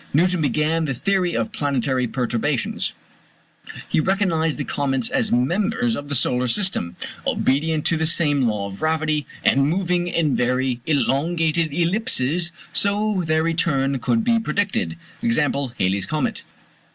Newton began the theory of planetary perturbations. 9. He recognized the comets as members of the solar system, obedient to the same law of gravity and moving in very elongated ellipses; so their return could be predicted (e.g. Halley's comet).